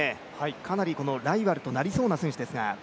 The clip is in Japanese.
かなり、ライバルとなりそうな選手ですが。